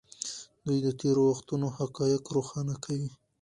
دوی د تېرو وختونو حقایق روښانه کوي.